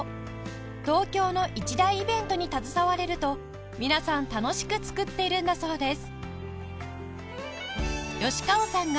東京の一大イベントに携われると皆さん楽しく作っているんだそうです